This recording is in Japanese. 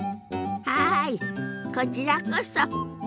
はいこちらこそ。